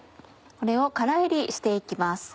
これを空炒りして行きます。